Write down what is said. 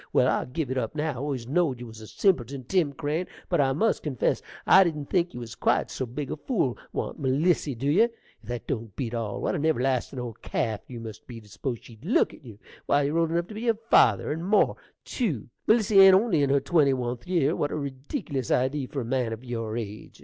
Well, I'll give it up now! I always knowed you was a simpleton, Tim Crane, but, I must confess, I didn't think you was quite so big a fool. Want Melissy, dew ye? If that don't beat all! What an everlastin' old calf you must be, to s'pose she'd look at you! Why, you're old enough to be her father, and more, tew; Melissy ain't only in her twenty oneth year. What a reedickilous idee for a man o' your age!